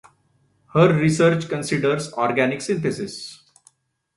Her research considers organic synthesis.